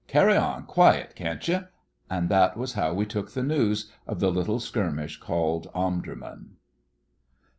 Carry on quiet, can't you?' And that was how we took the news of the little skirmish called Omdurman.